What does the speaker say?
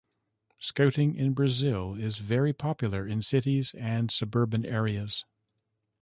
Scouting in Brazil is very popular in cities and suburban areas.